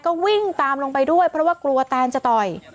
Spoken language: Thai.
ก็วิ่งตามลงไปด้วยเพราะว่ากลัวแตนจะต่อย